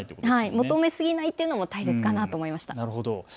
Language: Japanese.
求めすぎないというのも大切だと思いました。